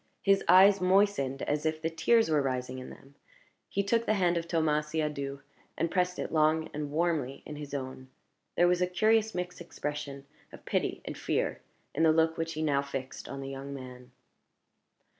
His eyes moistened as if the tears were rising in them; he took the hand of Thomas Siadoux, and pressed it long and warmly in his own. There was a curious mixed expression of pity and fear in the look which he now fixed on the young man.